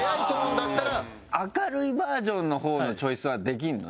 明るいバージョンの方のチョイスはできるの？